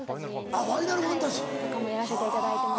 あっ『ファイナルファンタジー』。とかもやらせていただいてます。